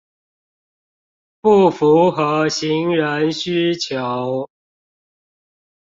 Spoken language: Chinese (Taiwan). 不符合行人需求